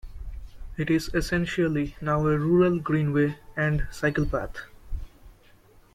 It is essentially now a rural greenway and cyclepath.